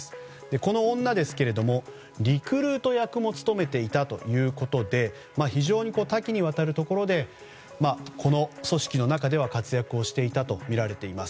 この女ですが、リクルート役も務めていたということで非常に多岐にわたるところでこの組織の中では活躍をしていたとみられています。